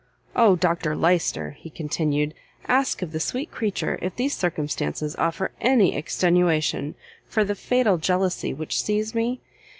"O Dr Lyster!" he continued, "ask of the sweet creature if these circumstances offer any extenuation for the fatal jealousy which seized me?